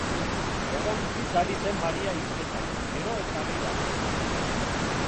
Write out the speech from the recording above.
Gogo biziz ari zen Maria hizketan, gero eta gehiago.